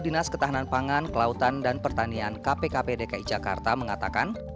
dinas ketahanan pangan kelautan dan pertanian kpkp dki jakarta mengatakan